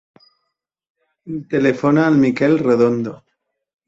Telefona al Mikel Redondo.